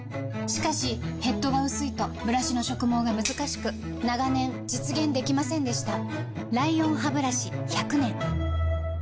しかしヘッドが薄いとブラシの植毛がむずかしく長年実現できませんでした